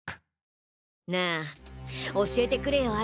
なぁ教えてくれよ哀